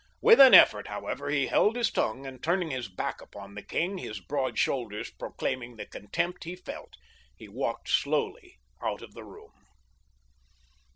With an effort, however, he held his tongue, and, turning his back upon the king, his broad shoulders proclaiming the contempt he felt, he walked slowly out of the room.